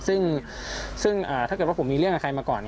ซึ่งถ้าเกิดว่าผมมีเรื่องกับใครมาก่อน